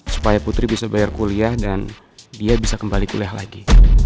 supaya putri bisa bayar kuliah dan dia bisa kembali kuliah lagi